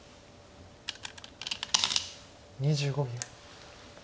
２５秒。